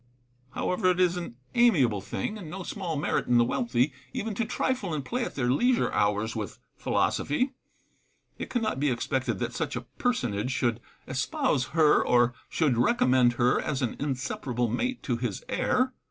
However, it is an amiable thing, and no small merit in the wealthy, even to trifle and play at their leisure hours with philosophy. It cannot be expected that such a personage should espouse her, or should recommend her as an inseparable mate to his heir. Seneca.